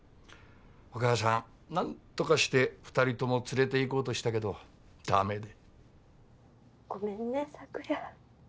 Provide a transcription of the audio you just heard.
お母さん何とかして二人とも連れて行こうとしたけどダメでごめんね朔也